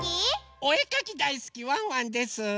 おえかきだいすきワンワンです！